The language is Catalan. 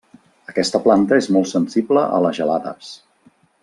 Aquesta planta és molt sensible a les gelades.